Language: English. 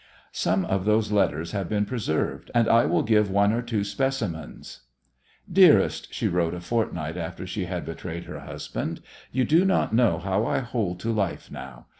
Some of those letters have been preserved, and I will give one or two specimens. "Dearest," she wrote a fortnight after she had betrayed her husband, "you do not know how I hold to life now.